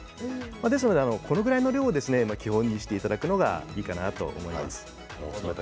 ですのでこのぐらいの量を基本にしていただくのがいいかなと思います。